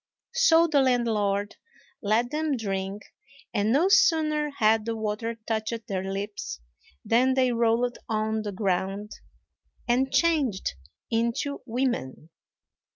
So the landlord let them drink; and no sooner had the water touched their lips than they rolled on the ground, and changed into women.